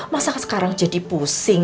masa sekarang jadi pusing